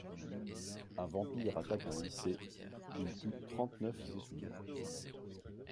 Un vampire attaque un lycée, il tue trente-neuf étudiants.